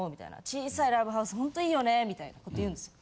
小さいライブハウスホントいいよねみたいなこと言うんですよ。